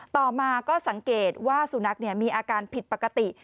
ต่อมาก็สังเกตว่าสุนัขมีอาการผิดปกติ